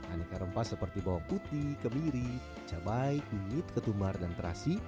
aneka rempah seperti bawang putih kemiri cabai kunyit ketumbar dan terasi